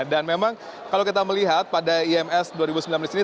dan memang kalau kita melihat pada iims dua ribu sembilan di sini